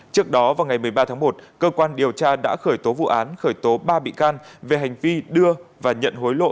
trước đó vào ngày một mươi ba tháng một cơ quan điều tra đã khởi tố vụ án khởi tố ba bị can về hành vi đưa và nhận hối lộ